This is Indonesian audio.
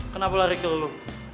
kenapa lari ke lu